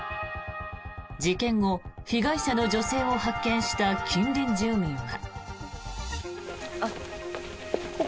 事件後、被害者の女性を発見した近隣住民は。